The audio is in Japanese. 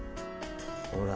ほら。